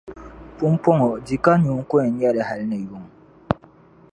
Pumpɔŋɔ di ka nyu n-kuli yɛn nyɛ li hali ni yuŋ